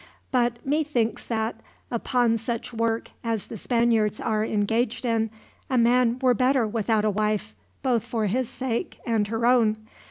"But methinks that, upon such work as the Spaniards are engaged in, a man were better without a wife, both for his sake and her own.